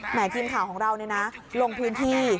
แหมดทีมข่าวของเรานะลงพื้นที่